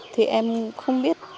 thì em không biết